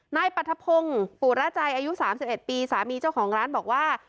นายปรัฐพงศ์ปู่ราจัยอายุสามสิบเอ็ดปีสามีเจ้าของร้านบอกว่า